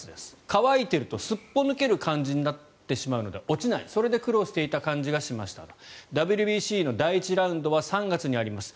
乾いているとすっぽ抜ける感じになるので落ちないそれで苦労している感じがしましたＷＢＣの第１ラウンドは３月にあります。